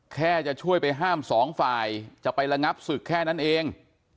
แค่จะช่วยไปห้ามสองฝ่ายจะไประงับศึกแค่นั้นเอง